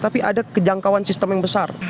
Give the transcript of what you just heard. tapi ada kejangkauan sistem yang besar